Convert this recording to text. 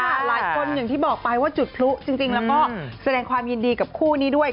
หลายคนอย่างที่บอกไปว่าจุดพลุจริงแล้วก็แสดงความยินดีกับคู่นี้ด้วย